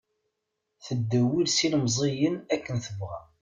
Teddewwil s ilemẓiyen akken tebɣa.